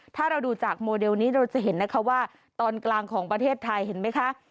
ถ้าเราดูจากโมเดลนี้เราจะเห็นนะคะว่าตอนกลางของประเทศไทยเห็นไหมคะ